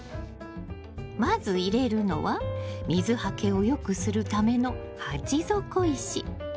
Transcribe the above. まず入れるのは水はけをよくするための鉢底石。